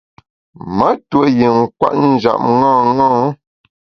Ma tuo yin kwet njap ṅaṅâ.